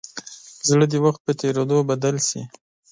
زړه د وخت په تېرېدو بدل شي.